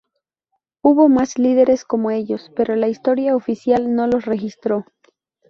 Hubo más líderes como ellos, pero la historia oficial no los registró.